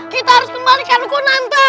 kita harus kembalikan kunanta